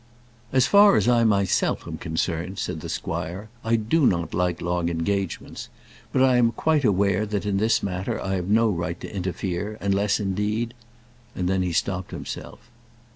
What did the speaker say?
"As far as I myself am concerned," said the squire, "I do not like long engagements. But I am quite aware that in this matter I have no right to interfere, unless, indeed " and then he stopped himself.